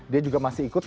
dia juga masih ikut